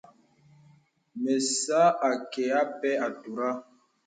Mə̀ sə̄ akɛ̄ apɛ àturə.